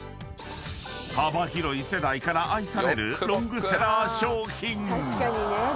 ［幅広い世代から愛されるロングセラー商品］